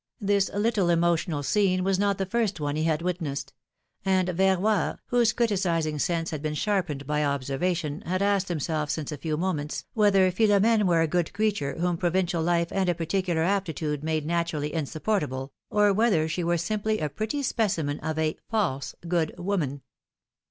This little emotional scene was not the first one he had witnessed; and Verroy, whose criti cising sense had been sharpened by observation, had asked himself, since a few moments, whether Philora^ne were a good creature, whom provincial life and a particular apti tude made naturally insupportable, or whether she were simply a pretty specimen of a false, good woman